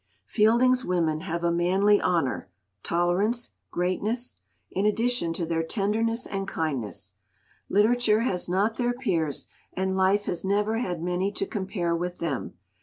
Fielding's women have a manly honour, tolerance, greatness, in addition to their tenderness and kindness. Literature has not their peers, and life has never had many to compare with them.